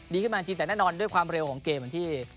ดีขึ้นมาแต่แน่นอนด้วยความเร็วของเกมที่